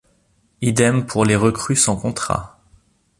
Idem pour les recrues sans contrat.